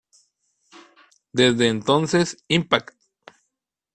Desde entonces, "Impact!